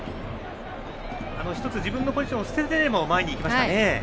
１つ、自分のポジションを捨ててでも前に行きました。